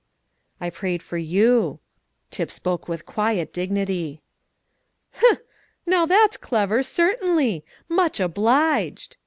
"I prayed for you." Tip spoke with quiet dignity. "Humph! Now, that's clever, certainly. Much obliged."